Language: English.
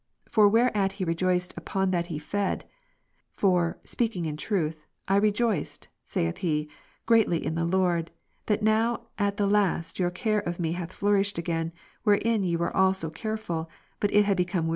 For whereas ver. 10, ]^e rejoiced upon that he fed : for, speaking in truth, I rejoiced (saith he) greatly in the Lord, that now at the last your care of me hath flourished again, wherein ye were also careful, but it had become wearisome unto you.